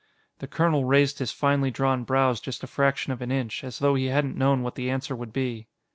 The colonel raised his finely drawn brows just a fraction of an inch, as though he hadn't known what the answer would be.